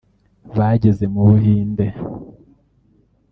Bageze mu Buhinde